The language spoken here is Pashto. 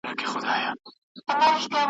کشکي ستا په خاطر لمر وای راختلی ,